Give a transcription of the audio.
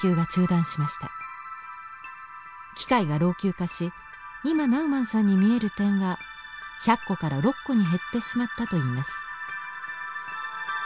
機械が老朽化し今ナウマンさんに見える点は１００個から６個に減ってしまったといいます。